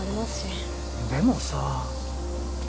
でもさ。